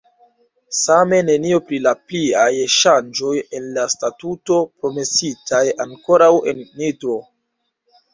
Same nenio pri la pliaj ŝanĝoj en la Statuto, promesitaj ankoraŭ en Nitro.